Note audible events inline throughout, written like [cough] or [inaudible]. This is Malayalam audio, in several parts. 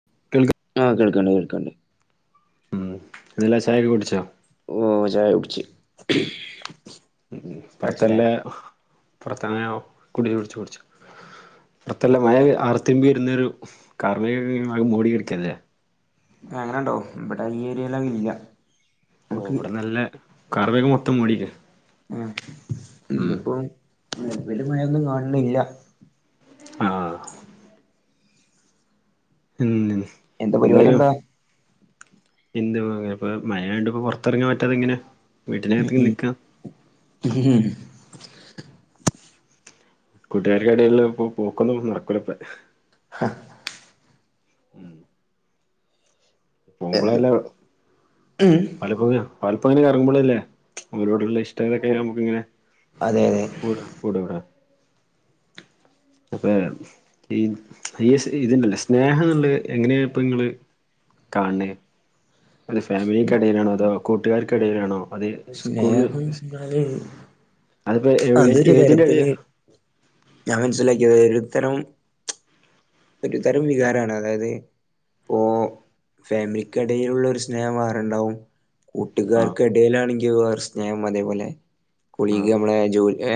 [unintelligible] ആഹ് കേൾക്ക്ണ്ട് കേൾക്ക്ണ്ട് എന്തെല്ലാ ച്ചായൊക്കെ കുടിച്ചോ ഓ ചായ കുടിച്ച് [unintelligible] അടിച്ചില്ലേ പൊറത്തല്ലേ പൊറത്താണെ ഗുളിക വേടിച്ചു കുടിച്ചു പുറത്തല്ല മഴ ആർത്തിമ്പി വരുന്നൊരു കാർമേഘം ഒക്കെ ഇങ്ങനെ ആകെ മൂടി കെടക്കല്ലേ ആഹ് അങ്ങനെ ഇണ്ടോ ഇപടെ ഈ ഏരിയേല് അഅ്ഇല്ല ഓ ഇവടെ നല്ല കാർമേഘം മൊത്തം മൂടിക്ക മ്മ് ഉം ഇന്ന്പ്പോ നിലവില് മഴയൊന്നും കാണ്ല്ല ആഹ് ഉം എന്താ പരിപാടി എന്താലും എന്താ എന്ത് [unintelligible] ഇപ്പം മഴയയോണ്ട് ഇപ്പോ പുറത്തിറങ്ങാൻ പറ്റാതേ ഇങ്ങനെ വീട്ടിനകത്തിങ്ങനേ നിക്കാ മ്ഹ്... കൂട്ടുകാർക്കെടേലെള്ള ഇപ്പ പോക്കൊന്നും നടക്കുലപ്പ ഹ ഉം പോമ്പളെല്ലാ ഉം. പലപ്പൊയ പലപ്പൊങ്ങനെ ഇറങ്ങ്മ്പളല്ലേ അവരോടുള്ള ഇഷ്ട ഇതൊക്കെ നമുക്ക ഇങ്ങനെ- അതെ അതെ. പൂട പൂടാവ്ട അപ്പാ ഈ ഇത് ഈസ് ഇതിണ്ടല്ലേ സ്നേഹം എന്ന്ള്ള എങ്ങനെയപ്പൊ നിങ്ങള്? കാണേ ത് ഫാമിലിക്കെടയിലാണോ അതോ? കൂട്ടുകാർക്കിടയിലാണോ അത് സ്കൂള് സ്നേഹം സ് ക് എന്നാല് അതിപ്പോ എവ് അതൊരു ഏതിന്റെ ടേ തരത്തില് ഞാൻ മനസ്സിലാക്കിയത് ഒരു തരും ഒരു തരം വികാരാണ് അതായത് ഓം ഫാമിലിക്ക്ടയിലുള്ള ഒരു സ്നേഹം വേറുണ്ടാവും. ആ കൂട്ടുകാർക്ക് ഇടയിലാണെങ്കിൽ വേറെ സ്നേഹം അതേപോലെ കുളി ആ യീക്കമ്മളെ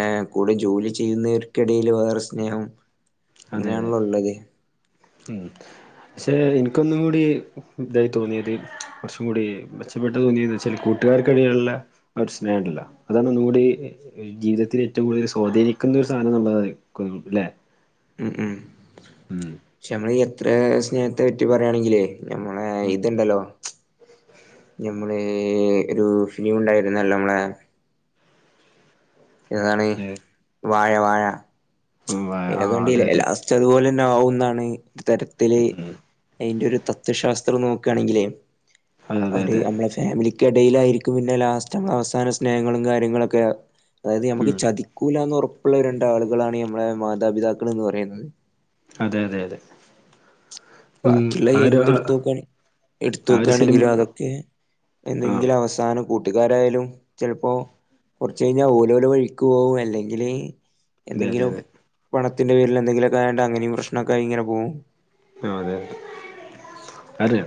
എഹ് കൂടെ ജോലി ചെയ്യുന്നവർക്കിടൽ വേറെ സ്നേഹം അതെ അതെ അങ്ങനെയാണല്ലോ ഉള്ളത് ഉം പക്ഷെ ഇൻക്കൊന്നും കൂടി ഇതായി തോന്നിയത് കുറച്ചും കൂടി മെച്ചപ്പെട്ട് തോന്നിയത് വെചാൽ കൂട്ടുകാർക്കിടയിലുള്ള ഒര് സ്നേഹം ഉണ്ടല്ലോ അതാണ് ഒന്നും കൂടി ജീവിതത്തില് ഏറ്റവും കൂടുതൽ സ്വാധീനിക്കുന്ന ഒരു സാധനം നമ്മള് അതായിരികുല്ലെ ഉം ഉം ഉം പക്ഷെ നമ്മള് എത്ര സ്നേഹത്തെ പറ്റി പറയാണെങ്കിലേ ഞമ്മളെ ഇത്ണ്ടല്ലോ ഞ ഒരു ഫിലിം ഉണ്ടായിരുന്നല്ലോ നമ്മളെ എതാണ് ഉം വാഴ വാഴ ഉം ആ ആ, അതെ കണ്ടിലെ അതെ ലാസ്റ്റ് അതുപോലെന്നെ ആവുന്നാണ് ഒരു തരത്തില് അഴിൻ്റെ ഒരു ത തത്വ ശാസ്ത്രം നോക്കാണെങ്കിലെ അതെ അതെ ഒരു അതെ നമ്മളെ ഫാമിലിക്ക് എടയിലായിരിക്കും പിന്നെ ലാസ്റ്റ് നമ്മളെ അവസാന സ്നേഹങ്ങളും കാര്യങ്ങളൊക്കെ അതായത് നമുക്ക് ഉം ചതി ക്കൂലാന്ന് ഉറപ്പുള്ള രണ്ടാളുകളാണ് നമ്മളെ മാതാപിതാക്കൾ എന്ന് പറയുന്നത് അതെ അതെ അതെ ഉം ബാക്കിയുള്ള ആ ഒരു ആ എന്തെടുത്ത്നോക്കണെ ആ ഒരു സിനിമ എടുത്തോക്കാണെങ്കിലും അതൊക്കെ ആ എന്നങ്കിലും അവസാനം കൂട്ടുകാരായാലും ചെൽപ്പോ കൊർച്ച് കഴിഞ്ഞാ ഓലോലെ വഴിക്ക് പോകും അല്ലെങ്കില് അതെ അതെ എന്തെങ്കിലും അതെ പണത്തിന്റെ പേരിൽ എന്തെങ്കിലുമൊക്കെ ആയാണ്ട് അങ്ങനെയും പ്രശ്നൊക്കെ ആയി ഇങ്ങനെ പോകും ആഹ് അതെ അതെ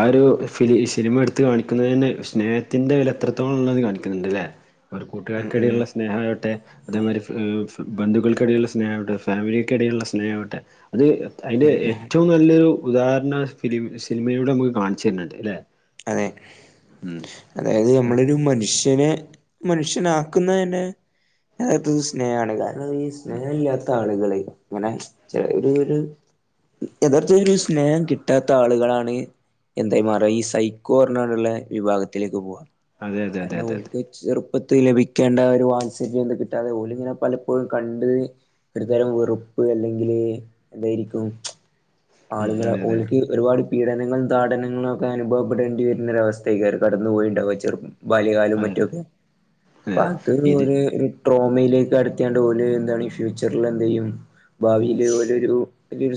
ആ ഒരു ഫി സിനിമ എടുത്ത് കാണിക്കുന്നതെന്നെ സ്നേഹത്തിന്റെ വില എത്രത്തോളം ഉള്ളത് കാണിക്കുന്നുണ്ട് ലെ ഉം ഉം കൂട്ടുകാർക്കിടയില്ള്ള സ്നേഹായൊട്ടെ അതേമാതിരി ബന്ധുക്കൾക്കിടയിലുള്ള സ്നേഹാവട്ടെ ഫാമിലിക്കിടയിലുള്ള സ്നേഹാവട്ടെ അത് അതിന്റെ ഉം ഉം ഏറ്റവും നല്ലൊരു ഉദാഹരണ ഫി സിനിമയിലൂടെ നമുക്ക് കാണിച്ചു തരുന്നുണ്ട് ല്ലെ അതെ അതായത് നമ്മളൊരു മനുഷ്യനെ മനുഷ്യനാക്കുന്നതന്നെ അതായത് സ്നേഹാണ് കാരണം ഈ ഉം സ്നേഹല്ലാത്ത ആളുകള് അങ്ങനെ ഒരു ഒരു യഥാർത്ഥ ഒരു സ്നേഹം കിട്ടാത്ത ആളുകളാണ് എന്തായ് മാറ ഈ സൈ ക്കോ പർഞാണ്ടുള്ള വിഭാഗത്തിലേക്ക് പോവാ അതെ അതെ അതെ കാരണം അതെ അതെ ഓൽക്ക് ചെറുപ്പത്തിൽ ലഭിക്കേണ്ട ഒരു വാത്സല്യം കിട്ടാതെ ഓല് ഇങ്ങനെ പലപ്പോഴും കണ്ട് ഒരുത്തരം വെറുപ്പ് അല്ലെങ്കില് എന്തായിരിക്കും ഉം ആളുകളെ അതെ അതെ ഓൽക്ക് ഒരുപാട് പീഡനങ്ങളും താടനങ്ങളും ഒക്കെ അനുഭവപ്പെടേണ്ടി വരുന്നരു അവസ്ഥേക്കാരം കടന്നു പോയിണ്ടാവ ചെറു ബാല്യകാലം അതെ മറ്റു അതെ ഒക്കെ അതെ അപ്പ അതെ അത് ഇത് ഒരു ട്രോമയിലേക്ക് അട്ത്തിയാണ്ട് ഓല് എന്താണ് ഫ്യൂച്ചറിൽ എന്ത് ചെയ്യും ഭാവിൽ ഓലൊരു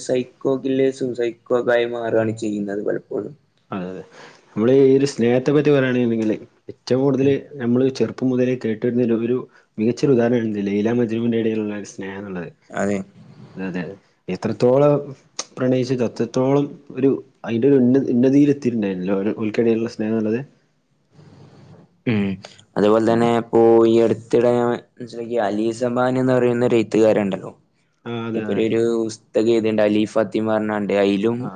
സൈക്കോ കില്ലേയ്‌സും സൈക്കോക്കായി മാറാണ് ചെയ്യുന്നത് പലപ്പോഴും അതെ നമ്മള് ഈ ഒരു സ്നേഹത്തെ പറ്റി പറയുകയാണണ്ടെങ്കില് ഏറ്റവും കൂടുതൽ ഉം നമ്മള് ചെറു പ്പം മുതലേ കേട്ടിരുന്ന ഒരു മികച്ച ഒരു ഉദാഹരണ ലൈലാ മജ്നുവിന്റെ ഇടയിലുള്ള സ്നേഹം എന്നുള്ളത് അതെ അതെ അതെഎത്രത്തോളം പ്രണയിച്ചത് അത്രത്തോളം ഒരു അഴിന്റെ ഒരു ഉന്ന ഉന്നതിയിൽ എത്തിയിട്ടുണ്ടായിരുന്നല്ലോ ഓൽക്കിടയിലുള്ള സ്നേഹം ഉള്ളത് ഉം അതുപോലെ ഉം തന്നെ ഓ ഈ അടുത്തിടെ ഞാൻ മനസ്സിലാക്കിയ അലിസബാൻ എന്ന് പറയുന്ന ഒരു എഴുത്തുകാരനുണ്ടല്ലോ ആ അതെ മൂപ്പര് അതെ ഒരു പുസ്തകം എയ്ത്ണ്ട് അലി ഫത്തിമ പറഞ്ഞാണ്ട് അഴിലും ആ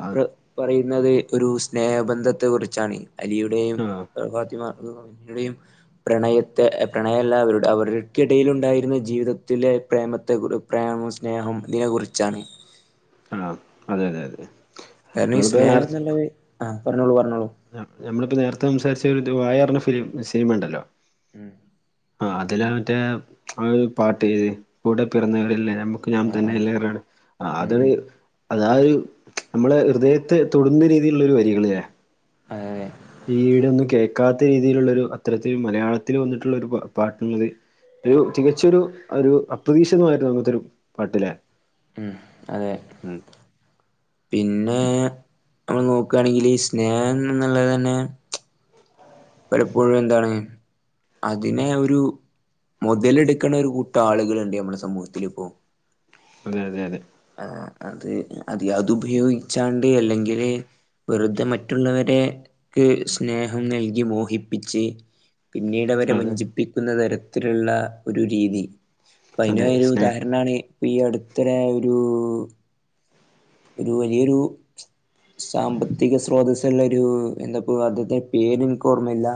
പറയുന്നത് ഒരു സ്നേഹബന്ധത്തെ കുറിച്ചാണ് അലിയുടെയും ആ ഫാത്തിമ ടെയും പ്രണയത്തെ പ്രണയല്ല അവരുടെ അവർക്കിടഴിലുണ്ടായിരുന്ന ജീവിതത്തിലെ പ്രേമത്തെ പ്രേമം സ്നേഹം ഇതിനെ കുറിച്ചാണ് ആഹ് അതെ അതെ അതെ കാരണം ഈ നമ്മളിപ്പോ സ്നേഹന്ന്ള്ളത് ആഹ് പറഞ്ഞോളൂ പറഞ്ഞോളൂ ആ നമ്മളിപ്പോ നേരത്തെ സംസാരിച്ച ഒരു വായറിഞ ഫിലിം സിനിമ ഇണ്ടല്ലോ ഉം ആ അതില മറ്റേ ആ ഒരു പാട്ട് കൂടെ പിറന്നവരല്ലേ നമു ക്ക് ഞാൻ ആ ആ തന്നെ എല്ലാറിണ് ആ ഉം അത് ഉം അതാ ആ ഒരു നമ്മളെ ഹൃദയത്തെ തൊടുന്ന രീതിയിലുള്ള ഒരു വരികൾല്ലേ അ ഏ ഈടൊന്നും കേൾക്കാത്ത രീതിയിലുള്ളൊരു അത്തരത്തിൽ മലയാളത്തിൽ വന്നിട്ടുള്ള ഒരു പ പാട്ടുള്ളത് ഒരു തികച്ചൊരു ഒരു അപ്രതീക്ഷിതമായിട്ട് നമുത്തൊരു പാട്ടിലേ ഉം അതെ പിന്നെ നമ്മള് നോക്കുകയാണെങ്കിൽ സ്നേഹം എന്നുള്ളത് തന്നെ പലപ്പോഴും എന്താണ് അതിനെ ഒരു മുതലെടുക്ക്ണ ഒരു കൂട്ടം ആളുകളുണ്ട് നമ്മളെ സമൂഹത്തില്പൊ അതെ അതെ അതെ ആ അത് അത് അത് ഉപയോഗിച്ചാണ്ട് അല്ലെങ്കില് വെറുതെ മറ്റുള്ളവര്ക്ക് സ്നേഹം നൽകി മോഹിപ്പിച്ച് പിന്നീട് വരെ അതെ വഞ്ചിപ്പിക്കുന്ന തരത്തിലുള്ള ഒരു രീതി പ്പയ്നാ അതെ ഒരു സ്നേഹ ഉദാഹരണാണ് ഇപ്പൊ ഈ അടുത്തരായൊരു ഒരു വലിയൊരു സാമ്പത്തിക സ്രോതസ്സ്ള്ള ഒരു എന്താപ്പോ അദ്ത്തെ പേര് ഇൻക്ക് ഓർമ്മയില്ല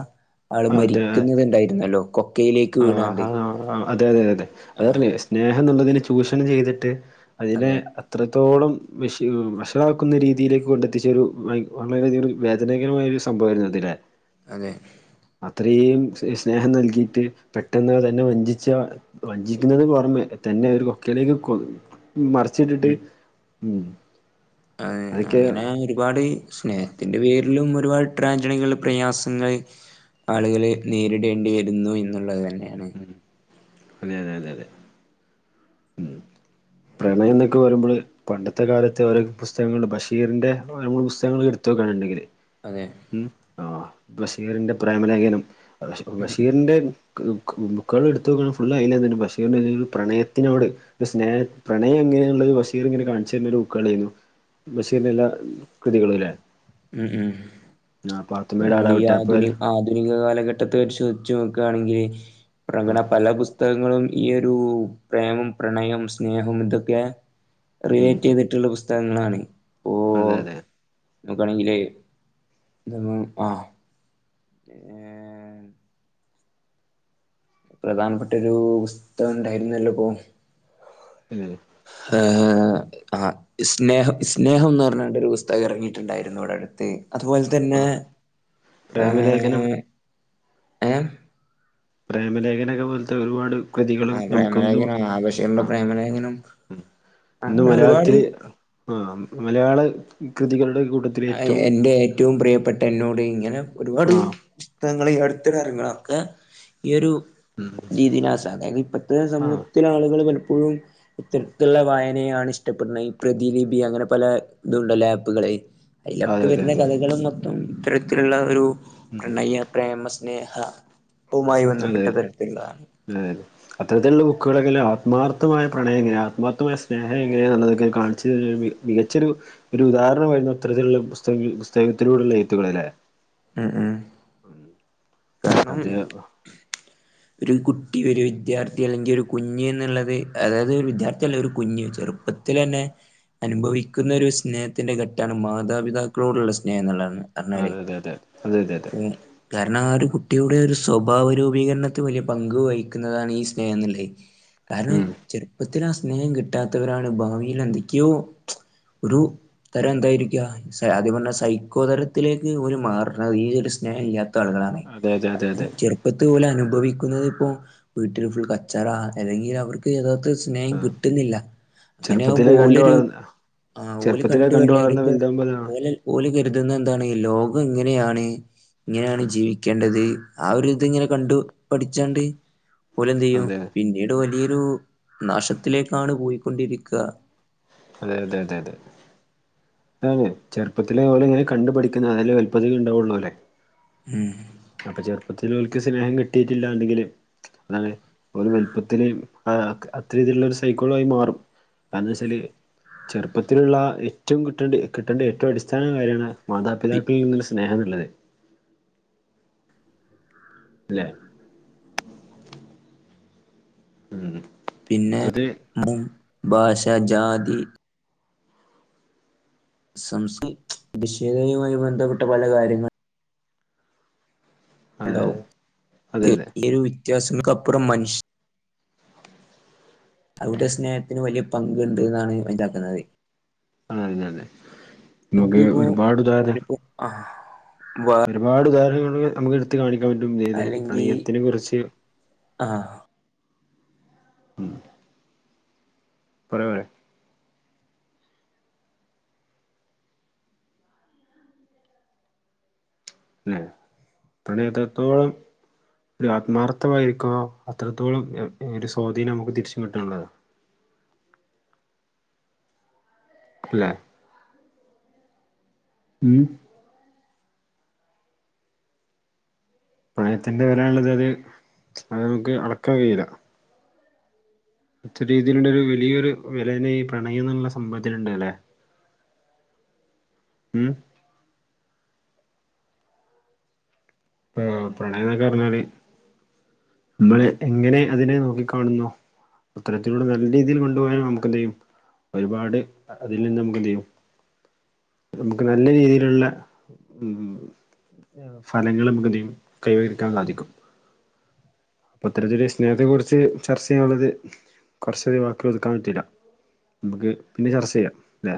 ആള് അതെ മരിക്കുന്നുന്നത്ണ്ടായിരുന്നല്ലോ കൊ ആഹ് ആഹ് അതെ അതെ അതെ ആ അതല്ല സ്നേഹം എന്നുള്ളതിന് ചൂഷണം ചെയ്തിട്ട് അതിനെ അതെ അത്രത്തോളം വിഷ വഷളാക്കുന്ന രീതിയിലേക്ക് കൊണ്ടെത്തിച്ചരു വയ് വളരെയ ഒരു വേദനകരമായ ഒര് സംഭവായിരുന്നതിലെ അതെ അത്രയും സ് സ്നേഹം നൽകിയിട്ട് പെട്ടെന്ന് തന്നെ വഞ്ചിച്ച വഞ്ചിക്കുന്നുത് പുറമെ തന്നെ ഒരു കൊക്കയിലേക്ക് കൊ മറിച്ചിട്ടിട്ട് ഉം അത് അതൊക്കെ അങ്ങനെയായൊരു ഒരുപാട് സ്നേഹത്തിന്റെ പേരിലും ഒരുപാട് ട്രാഞ്ചണികൾ പ്രയാസങ്ങള് ആളുകൾ നേരിടേണ്ടി വരുന്നു എന്നുള്ളത് തന്നെയാണ് അതെ അതെ അതെ അതെ ഉം പ്രണയം എന്നൊക്കെ പറിമ്പള് പണ്ടത്തെ കാലത്ത് ഓരോ പുസ്തകങ്ങള് ബഷീറിന്റെ ഓരോ പുസ്തകങ്ങള് എടുത്തു നോക്കാണ് ണ്ടെങ്കില് അതെ ഉം ആഹ് ബഷീറിന്റെ പ്രേമലേഖനം ഉം ഉം ബഷീറിന്റെ ക് ബുക്ക് ബുക്കുകൾ എടുത്ത് നോക്കണ ഫുള്ള് അയിലെന്നെ ബഷീറിന്റെ ന്റങ്കിലും പ്രണയത്തിനോട് സ്നേഹ പ്രണയം എങ്ങനെയുള്ളത് ബഷീർ ഇങ്ങനെ കാണിച്ചുര്ണ ഒരു ബുക്കാണേന്നു ബാഷീറിന്റെ എല്ലാ കൃതികളും ലെ ഉം ഉം പാത്തുമ്മയുടെ നമ്മള് ഈ ആടാവട്ടെ അപ്പൊ ആധുനി ഒരു ആധുനിക കാലഘട്ട പറ്റത്ത് ചോദിച്ച് നോക്കാണെങ്കിൽ പ്രകണ ആഹ് പല പുസ്തകങ്ങളും ഈ ഒരു പ്രേമം പ്രണയം സ്നേഹം ഇതൊക്കെ ഉം റിലേറ്റയ്തിട്ടുള്ള പുസ്തകങ്ങളാണ് അതെ അതെ നോക്കാണെങ്കില് എന്തന്ന് ആ ഏ പ്രധാനപ്പെട്ടൊരു പുസ്തകം ഉണ്ടായിരുന്നല്ലപ്പോ ഏഹ് ഹ ആഹ് ഇസ്നേഹം സ്നേഹംന്ന് പറഞ്ഞാണ്ട് ഒരു പുസ്തകം എറങ്ങിട്ടുണ്ടായിരുന്നു ഇവിടെ അടുത്ത് അതുപോലെ തന്നെ ആഹ് പ്രേമലേഖനം ഏ എ പ്രേമലേഖനൊക്കെ പോലത്തെ ഒരുപാട് കൃതികളും ആ നമുക്കൊന്നും പ്രേമലേഖനം ആ അ ബഷീറിന്റെ പ്രേമലേഖനം ഉം ഇന്ന് അങ്ങനെ ഒരുപാട് മലയാളത്തില് ആ മലയാള കൃതികളുടെ കൂട്ടത്തി എന്റെ ഏറ്റവും പ്രിയപ്പെട്ട എന്നോട് ഇങ്ങനെ ഒരുപാട് ആഹ് പുസ്ത ങ്ങള് അടുത്തകാര്യങ്ങളൊക്കെ ഈ ഒരു ഉം രീതിയിലാസ അതായത് ഇപ്പോഴത്തെ ആഹ് സമൂഹത്തിലെ ആളുകൾ പലപ്പോഴും ഇത്തരത്തിലുള്ള വായനയാണ് ഇഷ്ടപ്പെടുന്നത് ഈ പ്രതിലിപി അങ്ങനെ പല ഇതുണ്ടല്ലോ ആപ്പുകളെ അതിലൊക്കെ അതെ അതെ അതെ വരുന്ന അതെ കഥകളും മൊത്തം ഇത്തരത്തിലുള്ള ഒരു ഉം പ്രണയ പ്രേമ സ്നേഹ പമായി ബന്ധപ്പെട്ട തരത്തിലുകളാണ് ഉം അത്തരത്തിലുള്ള ബുക്കുകളൊക്കെല്ലെ ആത്മാർത്ഥമായ പ്രണയം എങ്ങനെ ആത്മാർത്ഥമായ സ്നേഹം എങ്ങനെയുള്ളതൊക്കെ കാണിച്ച് മികച്ചൊരു ഒരു ഉദാഹരണം വരുന്ന അത്തരത്തിലുള്ള പുസ്തക പുസ്തകത്തിലൂടെള്ള ഏത്തുകൾ അല്ലേ ഉം ഉം കാരണം അത് [inaudible] ഒരു കുട്ടി ഒരു വിദ്യാർത്ഥി അല്ലെങ്കിൽ ഒരു കുഞ്ഞു എന്നുള്ളത് അതായത് ഒരു വിദ്യാർത്ഥിയ അല്ല ഒരു കുഞ്ഞ് ചെറുപ്പ ത്തി ലെന്നെ അനുഭവിക്കുന്ന ഒരു സ്നേഹത്തിന്റെ ഘട്ടമാണ് മാതാപിതാക്കളോടുള്ള സ്നേഹം എന്നുള്ളതന്നെ അതെ അതെ അത അത അതെ അതെ അതെ കാരണം ആ ഒരു കുട്ടിയുടെ ഒരു സ്വഭാവ രൂപീകരണത്തി വലിയ പങ്ക് വഹിക്കുന്നതാണ് ഈ സ്നേഹം എന്നുള്ളെ കാരണം ഉം ചെറുപ്പത്തിൽ ആ സ്നേഹം കിട്ടാത്തവരാണ് ഭാവിയിൽ എന്തൊക്കെയോ ഒരു തരം എന്തായിരിക്ക അതേപോല സൈക്കോ തരത്തിലേക്ക് ഒരു മാ കാര ഈ ഒരു സ്നേഹം ഇല്ലാത്ത ആളുകളാണ് അതെ അതെ അതെ കാരണം അതെ ചെറുപ്പ ഇപ്പത്തെ പോലെ അനുഭവിക്കുന്നത് ഇപ്പ വീട്ടിൽ ഫുൾ കച്ചറ അല്ലെങ്കിൽ അവർക്ക് യഥാത് സ് സ്നേഹം ആഹ് കിട്ടുന്നില്ല അങ്ങനെയ ആകുമ്പോ ചെറുപ്പത്തിലെ കണ്ട് ഓലൊരു വളർന്ന ആ ഓല ചെറുപ്പത്തിലെ കണ്ട് വെള്ളം വളർന്ന് വരുമ്പോ വലുതാവുമ്പോഴാണ് ഓലെ പോല കരുതുന്ന എന്താണ് ലോകം എങ്ങനെയാണ് ഇങ്ങനെയാണ് ജീവിക്കേണ്ടത് ആ ഒരു ഇതി ഇങ്ങനെ കണ്ടു പഠിച്ചാണ്ട് പോലെന്ത് ചെയ്യും അതെ പിന്നീട് വലിയൊരു നാശത്തിലേക്കാണ് പോയിക്കൊണ്ടിരിക്ക അതെ അതെ അതെ അതെ അതെ ചെറുപ്പത്തിലെ പോലെങ്ങനെ കണ്ടു പഠിക്കുന്ന അതില് വല്പതിത ഉണ്ടാവുള്ളൂ അല്ലേ ഉം അപ്പൊ ചെറുപ്പത്തിലോൽക്ക് സ്നേഹം കിട്ടിയിട്ടില്ലാണ്ടെങ്കില് അതാണ് ഓല് വലുപ്പത്തില് അത്ര രീതിയിലുള്ള ഒരു സൈക്കോള ആയി മാറും [unintelligible] ചെറുപ്പത്തിലുള്ള ഏറ്റവും കിട്ടേണ്ട കിട്ടേണ്ട ഏറ്റവും അടിസ്ഥാന കാര്യാണ് പി മാതാപിതാക്കളിൽ നിന്നുള്ള സ്നേഹം എന്നുള്ളത് അല്ലെ ഉം പിന്നെ അത്തരത്തിൽ മും ഭാഷ ജാതി സം വിഷേധയുമായി ബന്ധപ്പെട്ട പല കാര്യങ്ങളും ഹലോ അതെ അതെ അതെ ഈ ഒരു വ്യത്യാസങ്ങക്കപ്പുറം മനുഷ്യ അവിടെ സ്നേഹത്തിന് വലിയ പങ്ക് ഉണ്ട് എന്നാണ് മനസ്സിലാക്കുന്നത് ആണതതെതെ നുക്ക് ഒരുപാട് ഉദാഹരണണം ആ വ ഒരുപാട് ഉദാഹരണങ്ങൾ നമുക്ക് എടുത്ത് കാണിക്കാൻ പറ്റും ഇതത പ്രണയത്തിനെ കുറിച്ച് ആ ഉം കുറവ അല്ലെ പിണത്തെത്തോളം ഒരു ആത്മാർത്ഥമായിരിക്കുവ അത്രത്തോളം ഒരു സ്വാധീനം നമുക്ക് തിരിച്ച കിട്ടാനുള്ളതാണ് ഇല്ലേ ഉം പ്രണയത്തിൻ്റെ വില ഉള്ളത് അത് അത് നമുക്ക് അളക്കാൻ കയൂല മറ്റ രീതിയിലുള്ള ഒരു വലിയൊരു വിലെനെ ഈ പ്രണയം എന്നുള്ള സംഭവത്തിലുണ്ട് അല്ലെ ഉം പ്രണയ എന്നൊക്കെ പറഞ്ഞാല് ഇമ്മള് എങ്ങനെ അതിനെ നോക്കിക്കാണുന്നു അത്തരത്തിലൂടെ നല്ല രീതിയിൽ കൊണ്ടുപോകാനും നമുക്ക് എന്ത് ചെയ്യും ഒരുപാട് അതിൽ നിന്ന് നമുക്ക് എന്ത് ചെയ്യും നമുക്ക് നല്ല രീതിയിലുള്ള ഉം ഫലങ്ങളും വൃതിയും കൈവരിക്കാൻ സാധിക്കും അപ്പൊ ഇത്തരത്തിൽ സ്നേഹത്തെക്കുറിച്ച് ചർച്ച ചെയ്യാനുള്ളത് കുറച്ചറിയ വാക്കുകൾ ഒതുക്കാൻ പറ്റില്ല നമുക്ക് പിന്നെ ചർച്ച ചെയ്യാം അല്ലേ